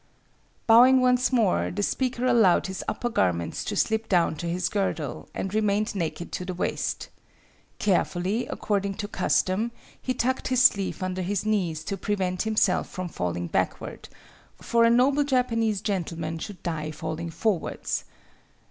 "Bowing once more, the speaker allowed his upper garments to slip down to his girdle, and remained naked to the waist. Carefully, according to custom, he tucked his sleeves under his knees to prevent himself from falling backward; for a noble Japanese gentleman should die falling forwards.